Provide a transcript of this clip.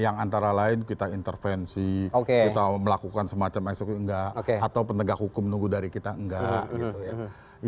yang antara lain kita intervensi kita melakukan semacam eksekutif enggak atau penegak hukum menunggu dari kita enggak gitu ya